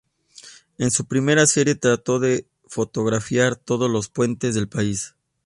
En su primera serie trató de fotografiar todos los puentes del país.